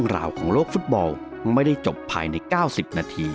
สวัสดีครับ